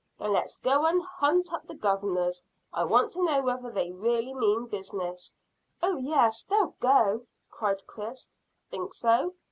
"Then let's go and hunt up the gov'nors. I want to know whether they really mean business." "Oh yes, they'll go," cried Chris. "Think so?"